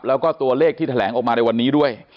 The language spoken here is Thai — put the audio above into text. แล้วก็ตัวเลขที่แถลงออกมาในวันนี้ด้วย